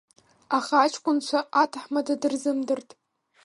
Аха аҷкәынцәа аҭаҳмада дырзымдырт.